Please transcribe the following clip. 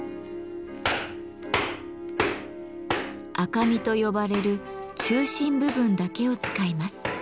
「赤身」と呼ばれる中心部分だけを使います。